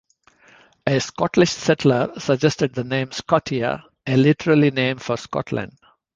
A Scottish settler suggested the name Scotia, a literary name for Scotland.